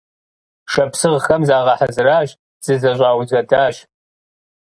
Шапсыгъхэм загъэхьэзыращ, зызэщӀаузэдащ.